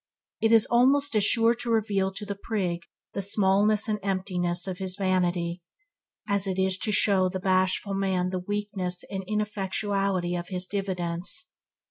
It is almost as sure to reveal to the prig the smallness and emptiness of his vanity, as it is to show the bashful man the weakness and ineffectuality of his dividence.